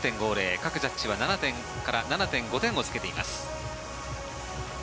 各ジャッジは７点から７．５点をつけています。